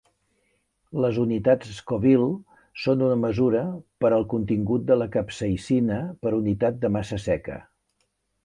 Les unitats Scoville són una mesura per al contingut de capsaïcina per unitat de massa seca.